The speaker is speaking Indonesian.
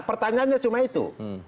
pertanyaannya cuma itu